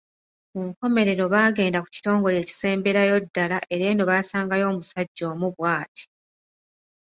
Ku nkomerero baagenda ku kitongole ekisemberayo ddala era eno baasangayo omusajja omu bw’ati.